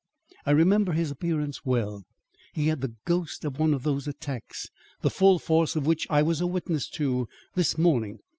"I remember his appearance well. He had the ghost of one of those attacks, the full force of which I was a witness to this morning.